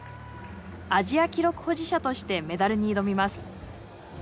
アジア記録保持者としてメダルに挑みます。